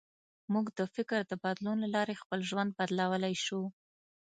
موږ د فکر د بدلون له لارې خپل ژوند بدلولی شو.